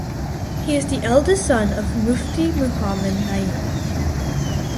He is the eldest son of Mufti Muhammad Naeem.